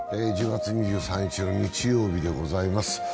１０月２３日の日曜日でございます。